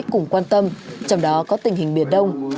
cùng quan tâm trong đó có tình hình biển đông